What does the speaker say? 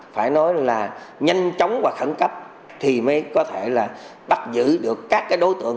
phải nói là nhanh chóng và khẩn cấp thì mới có thể là bắt giữ được các đối tượng